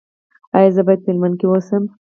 ایا زه باید په هلمند کې اوسم؟